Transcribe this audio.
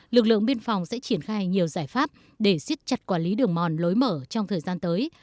lực lượng biên phòng sẽ triển khai nhiều giải pháp để xiết chặt quản lý đường mòn lối mở trong thời gian tới